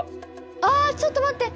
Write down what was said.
あちょっと待って！